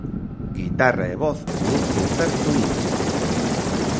Guitarra e voz nun concerto íntimo.